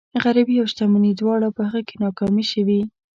غريبي او شتمني دواړه په هغه کې ناکامې شوي.